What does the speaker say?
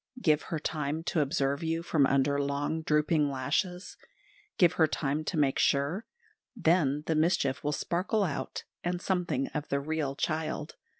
Give her time to observe you from under long, drooping lashes; give her time to make sure then the mischief will sparkle out, and something of the real child.